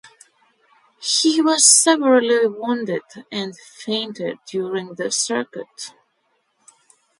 He was severely wounded, and fainted during the circuit.